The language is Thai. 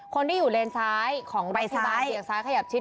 คนที่อยู่เลนซ้ายของรถพยาบาลขยับซ้ายขยับชิด